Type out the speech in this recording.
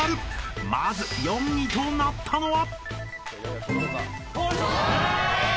［まず４位となったのは？］